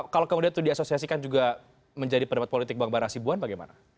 kalau kemudian itu diasosiasikan juga menjadi pendapat politik bang bara sibuan bagaimana